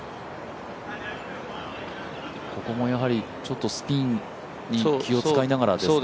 ここもスピンに気を遣いながらですか。